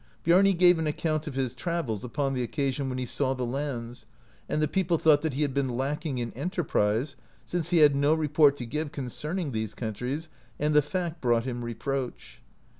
Biarni gave an account of his travels [upon the occasion] when he saw the lands, and the people thought that he had been lacking in enter prise, since he had no report to give concerning these countries, and the fact brought him reproach.